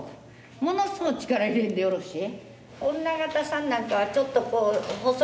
ものすごい力入れんでよろしいえ。